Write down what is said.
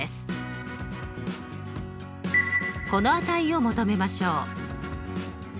この値を求めましょう。